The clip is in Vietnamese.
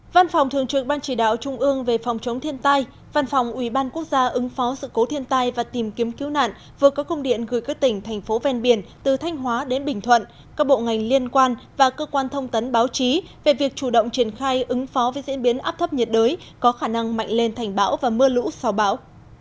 văn phòng thường trực ban chỉ đạo trung ương về phòng chống thiên tai văn phòng ủy ban quốc gia ứng phó sự cố thiên tai và tìm kiếm cứu nạn vừa có công điện gửi các tỉnh thành phố ven biển từ thanh hóa đến bình thuận các bộ ngành liên quan và cơ quan thông tấn báo chí về việc chủ động triển khai ứng phó với diễn biến áp thấp nhiệt đới có khả năng mạnh lên thành bão và mưa lũ sau bão